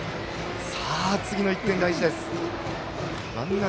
次の１点、大事です。